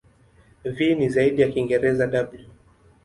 V ni zaidi ya Kiingereza "w".